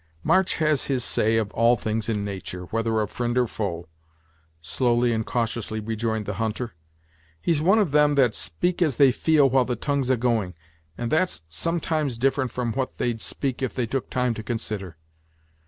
"March has his say of all things in natur', whether of fri'nd or foe," slowly and cautiously rejoined the hunter. "He's one of them that speak as they feel while the tongue's a going, and that's sometimes different from what they'd speak if they took time to consider.